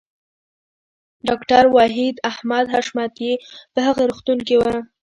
ډاکټر وحید احمد حشمتی په هغه روغتون کې و